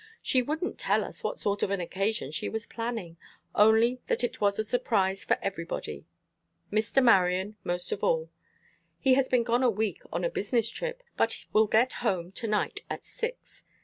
She wouldn't tell us what sort of an occasion she was planning, only that it was a surprise for everybody, Mr. Marion most of all. He has been gone a week on a business trip, but will get home to night at six.